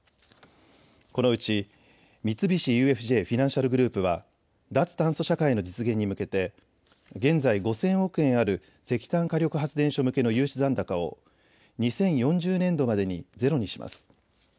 このうち三菱ＵＦＪフィナンシャル・グループは脱炭素社会の実現に向けて現在５０００億円ある石炭火力発電所向けの融資残高を２０４０年度までにゼロにします。